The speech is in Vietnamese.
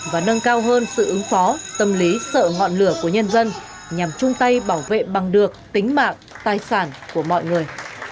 và nâng cao hơn sự ứng phó tâm lý sợ ngọn lửa của nhân dân nhằm chung tay bảo vệ bằng được tính mạng tài sản của mọi người